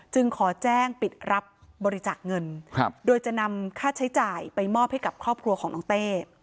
ขอแจ้งปิดรับบริจาคเงินโดยจะนำค่าใช้จ่ายไปมอบให้กับครอบครัวของน้องเต้